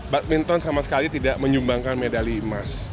badminton sama sekali tidak menyumbangkan medali emas